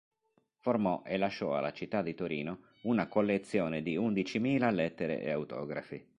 Formò e lasciò alla città di Torino una collezione di undicimila lettere e autografi.